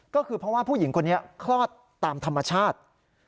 ก็คือเพราะว่าผู้หญิงคนนี้คลอดตามธรรมชาติ